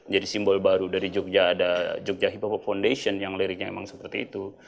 jadi simbol baru dari jogja ada jogja hip hop foundation yang liriknya emang seperti itu